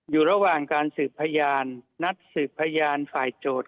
อยู่ระหว่างการสืบพยานนัดสืบพยานฝ่ายโจทย์